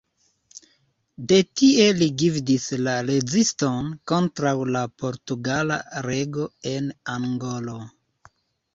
De tie li gvidis la reziston kontraŭ la portugala rego en Angolo.